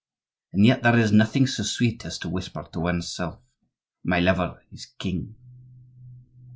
And yet, there is nothing so sweet as to whisper to one's self: 'My lover is king!